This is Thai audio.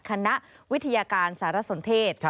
คณะวิทยาการสารสนเทศ